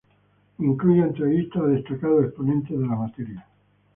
Incluye entrevistas a destacados exponentes de la materia.